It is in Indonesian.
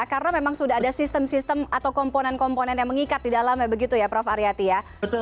karena memang sudah ada sistem sistem atau komponen komponen yang mengikat di dalamnya begitu ya prof aryati ya